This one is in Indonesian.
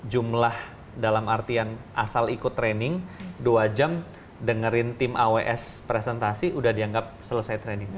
jumlah dalam artian asal ikut training dua jam dengerin tim aws presentasi udah dianggap selesai training